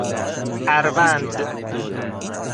اَروند